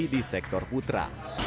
di sektor putra